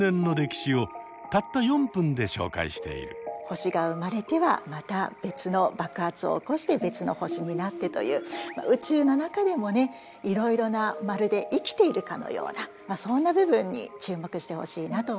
星が生まれてはまた別の爆発を起こして別の星になってという宇宙の中でもねいろいろなまるで生きているかのようなそんな部分に注目してほしいなと思います。